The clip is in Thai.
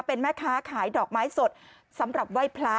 เป็นแม่ค้าขายดอกไม้สดสำหรับไหว้พระ